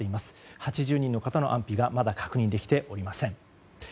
８０人の方の安否がまだ確認できておりません。